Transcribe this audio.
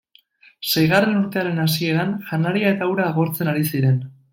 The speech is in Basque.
Seigarren urtearen hasieran, janaria eta ura agortzen ari ziren.